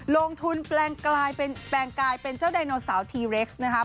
ลงทุนแปลงกายเป็นเจ้าแดนโนเสาร์ทีเร็กซ์นะครับ